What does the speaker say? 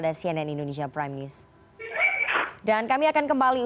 dan kami akan kembali